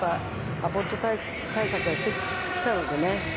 アボット対策はしてきたのでね。